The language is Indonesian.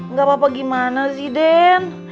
gak apa apa gimana sih den